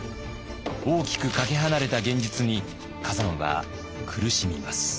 大きくかけ離れた現実に崋山は苦しみます。